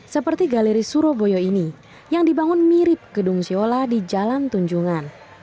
seperti galeri surabaya ini yang dibangun mirip gedung siola di jalan tunjungan